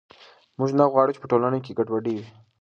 موږ نه غواړو چې په ټولنه کې ګډوډي وي.